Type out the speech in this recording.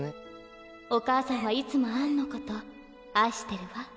「お母さんはいつもアンのこと愛してるわ」